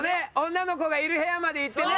女の子がいる部屋まで行ってね。